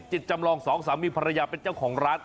จำลองสองสามีภรรยาเป็นเจ้าของร้าน